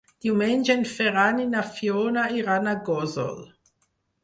Diumenge en Ferran i na Fiona iran a Gósol.